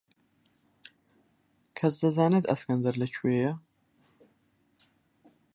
کەس دەزانێت ئەسکەندەر لەکوێیە؟